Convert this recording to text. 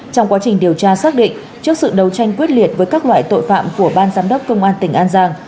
trong quá trình điều tra xác định trước sự đấu tranh quyết liệt với các loại tội phạm của ban giám đốc công an tỉnh an giang